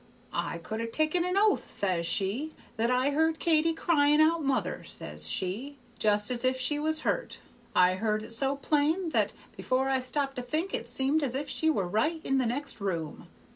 'I could ha' taken my oath,' says she,'that I heard Katy cryin' out mother,' says she, 'just as if she was hurt. I heard it so plain that before I stopped to think it seemed as if she were right in the next room.